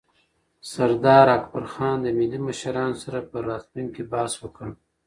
سردار اکبرخان د ملي مشرانو سره پر راتلونکي بحث وکړ.